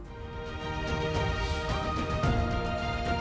kalau ada anak wayang tidak ada dalang ini wayangnya siapa